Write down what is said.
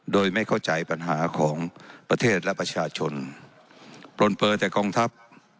โดยไม่เข้าใจปัญหาของประเทศและประชาชนปลนเปลือแต่กองทัพ